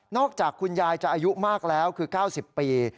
จากคุณยายจะอายุมากแล้วคือ๙๐ปี